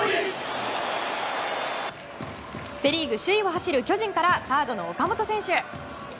セ・リーグ首位を走る巨人からサードの岡本選手。